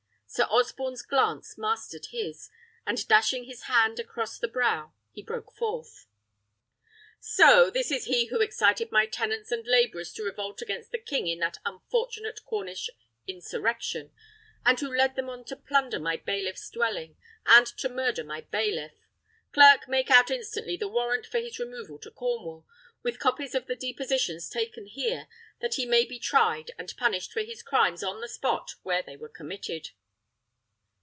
Sir Osborne's glance mastered his, and dashing his hand across his brow, he broke forth: "So, this is he who excited my tenants and labourers to revolt against the king in that unfortunate Cornish insurrection, and who led them on to plunder my bailiff's dwelling, and to murder my bailiff! Clerk, make out instantly the warrant for his removal to Cornwall, with copies of the depositions taken here, that he may be tried and punished for his crimes on the spot where they were committed."